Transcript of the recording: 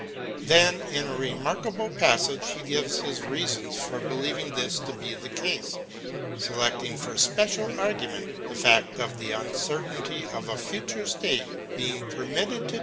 Then in a remarkable passage he gives his reasons for believing this to be the case, selecting for special argument the fact of the uncertainty of a future state being permitted to